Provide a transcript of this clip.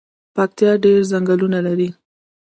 پکتیا ډیر ځنګلونه لري